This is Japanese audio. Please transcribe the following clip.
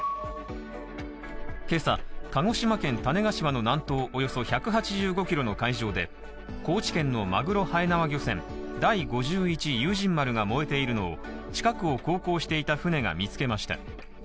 今朝、鹿児島県種子島の南東およそ１８５ｋｍの海上で高知県のマグロはえなわ漁船「第五十一勇仁丸」が燃えているのを近くを航行していた船が見つけました。